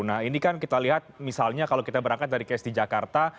nah ini kan kita lihat misalnya kalau kita berangkat dari ksd jakarta